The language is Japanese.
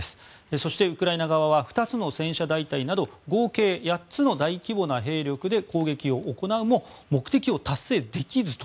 そして、ウクライナ側は２つの戦車大隊など合計８つの大規模な兵力で攻撃を行うも目的を達成できずと。